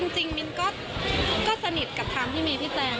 จริงมิ้นก็สนิทกับทางที่มีพี่แจง